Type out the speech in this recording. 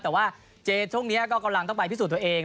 แต่ว่าเจช่วงนี้ก็กำลังต้องไปพิสูจน์ตัวเอง